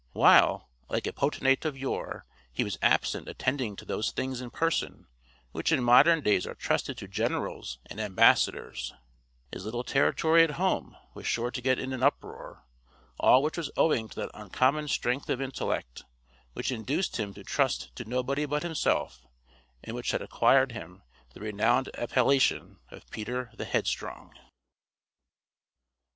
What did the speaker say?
While, like a potentate of yore, he was absent attending to those things in person which in modern days are trusted to generals and ambassadors, his little territory at home was sure to get in an uproar all which was owing to that uncommon strength of intellect which induced him to trust to nobody but himself, and which had acquired him the renowned appellation of Peter the Headstrong.